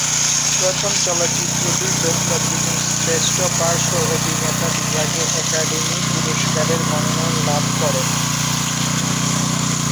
প্রথম চলচ্চিত্রটির জন্য তিনি শ্রেষ্ঠ পার্শ্ব অভিনেতা বিভাগে একাডেমি পুরস্কারের মনোনয়ন লাভ করেন।